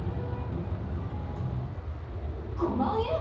５万円！？